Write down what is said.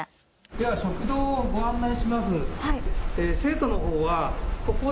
では食堂をご案内します。